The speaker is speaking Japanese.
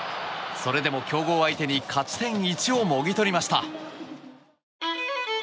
それでも強豪相手に勝ち点１をもぎ取りました。